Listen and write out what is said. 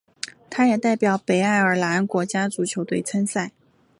他也代表北爱尔兰国家足球队参赛。